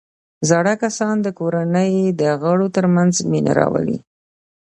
زاړه کسان د کورنۍ د غړو ترمنځ مینه راولي